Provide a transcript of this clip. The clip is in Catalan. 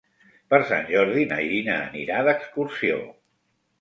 Per Sant Jordi na Gina anirà d'excursió.